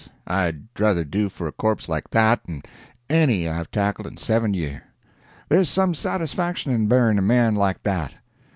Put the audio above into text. I'd druther do for a corpse like that 'n any I've tackled in seven year. There's some satisfaction in buryin' a man like that.